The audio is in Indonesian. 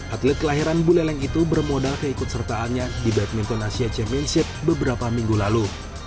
atlet kelahiran buleleng itu bermodal keikut sertaannya di badminton asia championship beberapa minggu lalu